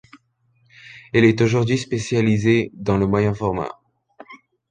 Elle est aujourd’hui spécialisée dans le moyen format.